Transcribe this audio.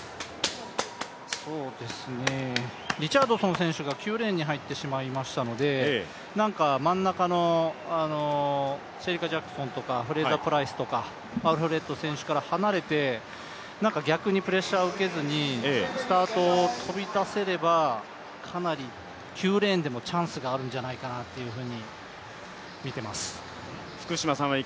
リチャードソン選手が９レーンに入ってしまいましたので真ん中のシェリカ・ジャクソンとかフレーザープライスとか、アルフレッド選手と離れて逆にプレッシャーを受けずにスタートを飛び出せればかなり９レーンでもチャンスがあるんじゃないかなというふうに見てます。